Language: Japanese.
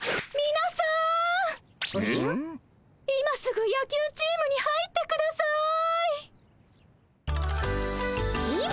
今すぐ野球チームに入ってください！